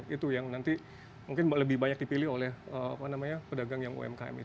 itu yang nanti mungkin lebih banyak dipilih oleh pedagang yang umkm itu